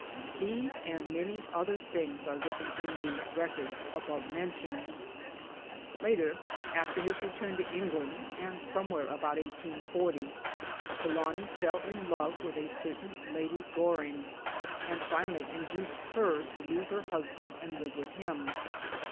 These and many other things are written in the Records above mentioned. Later, after his return to England, and somewhere about 1840, Trelawny fell in love with a certain Lady Goring, and finally induced her to leave her husband and live with him.